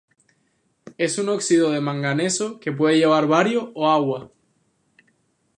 Es un óxido de manganeso que puede llevar bario o agua.